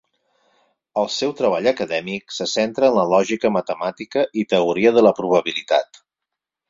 El seu treball acadèmic se centra en la lògica matemàtica i teoria de la probabilitat.